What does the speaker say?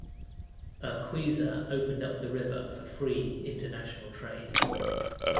Urquiza opened up the river for free international trade.